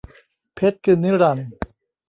เพชรคือนิรันดร์